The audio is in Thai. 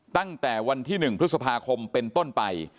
ตั้งแต่วันที่๑พฤษภาคมเป็นต้นไป